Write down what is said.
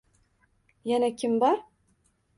Yana kim bor?..